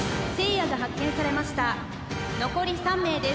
残り３名です。